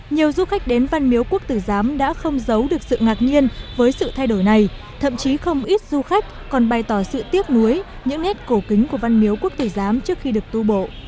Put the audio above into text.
nhiều du khách đến văn miếu quốc tử giám đã không giấu được sự ngạc nhiên với sự thay đổi này thậm chí không ít du khách còn bày tỏ sự tiếc nuối những nét cổ kính của văn miếu quốc tử giám trước khi được tu bộ